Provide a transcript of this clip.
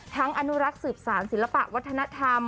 อนุรักษ์สืบสารศิลปะวัฒนธรรม